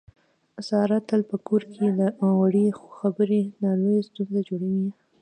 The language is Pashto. ساره تل په کور کې له وړې خبرې نه لویه ستونزه جوړي.